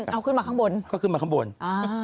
เอาขึ้นมาข้างบนก็ขึ้นมาข้างบนอ่า